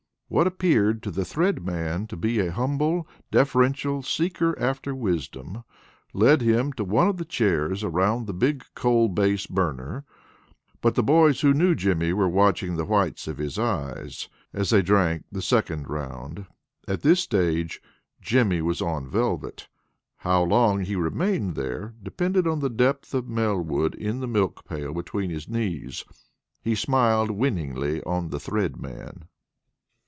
What appeared to the Thread Man to be a humble, deferential seeker after wisdom, led him to one of the chairs around the big coal base burner. But the boys who knew Jimmy were watching the whites of his eyes, as they drank the second round. At this stage Jimmy was on velvet. How long he remained there depended on the depth of Melwood in the milk pail between his knees. He smiled winningly on the Thread Man.